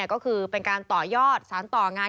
ก็คือเป็นการต่อยอดสารต่องาน